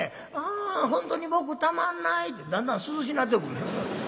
「ああ本当に僕たまんない」ってだんだん涼しなってくる。